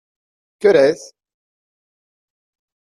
¿Qué hora es?